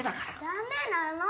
ダメなの！